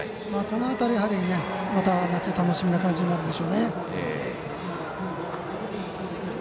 この辺りも夏、楽しみな感じになるでしょうね。